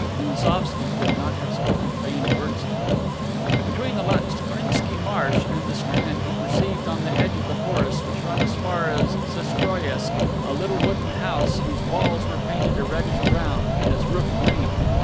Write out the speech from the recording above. Gounsovski could not have spoken vain words to him. Between the Lachtkrinsky marsh and the strand he perceived on the edge of the forests which run as far as Sestroriesk a little wooden house whose walls were painted a reddish brown, and its roof green.